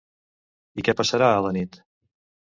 I què passarà a la nit?